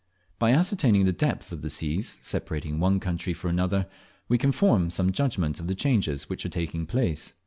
By ascertaining the depth of the seas separating one country from another, we can form some judgment of the changes which are taking place.